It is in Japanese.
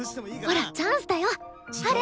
ほらチャンスだよハル！